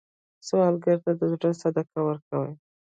سوالګر ته د زړه صدقه ورکوئ